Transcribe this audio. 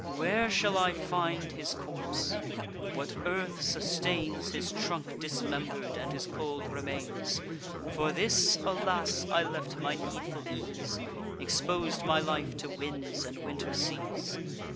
Where shall I find his corpse? what earth sustains His trunk dismember'd, and his cold remains? For this, alas! I left my needful ease, Expos'd my life to winds and winter seas!